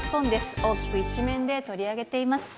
大きく１面で取り上げています。